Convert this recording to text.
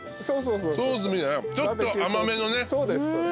そうですそうです。